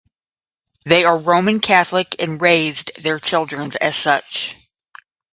They are Roman Catholic and raised their children as such.